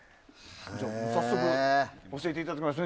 早速、教えていただきましょう。